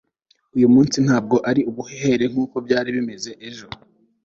uyu munsi ntabwo ari ubuhehere nkuko byari bimeze ejo